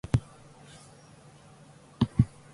ソーヌ＝エ＝ロワール県の県都はマコンである